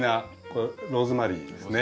これローズマリーですね。